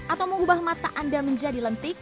atau mengubah mata anda menjadi lentik